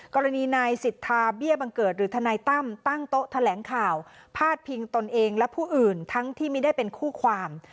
กรณีนายสิทธาเบี้ยบังเกิดหรือทนายตั้มตั้งโต๊ะแถลงข่าวพาดพิงตนเองและผู้อื่นทั้งที่ไม่ได้เป็นคู่ความ